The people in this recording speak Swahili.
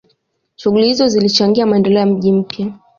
shughuli hizo zilichangia maendeleo ya mji mpya